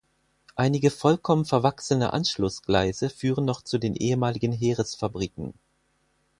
Einige vollkommen verwachsene Anschlussgleise führen noch zu den ehemaligen Heeresfabriken.